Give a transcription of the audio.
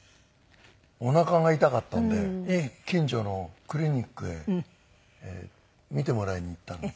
おなかが痛かったんで近所のクリニックへ診てもらいに行ったんです。